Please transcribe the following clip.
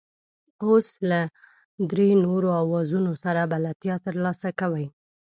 اوس له درې نورو اوزارونو سره بلدیتیا ترلاسه کوئ.